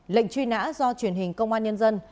lệnh truy nã do truyền hình công an nhân dân